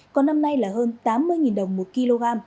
còn năm nay là hơn tám mươi đồng một kg